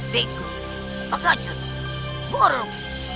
tikus pengecut buruk